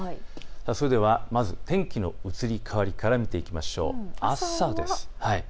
それではまず天気の移り変わりから見ていきましょう。